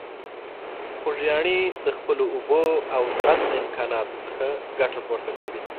خوږیاڼي د خپلو اوبو او زراعت له امکاناتو څخه ګټه پورته کوي.